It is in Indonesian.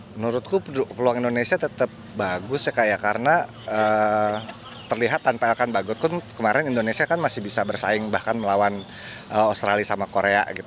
menurutku peluang indonesia tetap bagus ya kayak karena terlihat tanpa elkan bagot pun kemarin indonesia kan masih bisa bersaing bahkan melawan australia sama korea